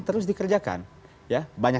terus dikerjakan ya